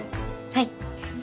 はい。